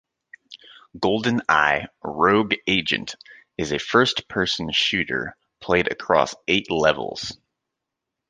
"GoldenEye: Rogue Agent" is a first-person shooter, played across eight levels.